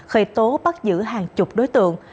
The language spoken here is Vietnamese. khởi tố bắt giữ hàng chục đối tượng